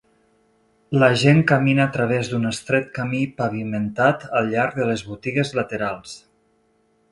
La gent camina a través d'un estret camí pavimentat al llarg de les botigues laterals.